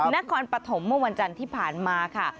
นครปฐมมวลวันจันทร์ที่ผ่านมา